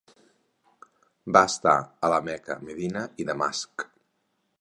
Va estar a la Meca, Medina i Damasc.